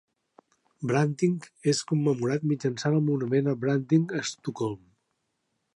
Branting és commemorat mitjançant el monument a Branting a Estocolm.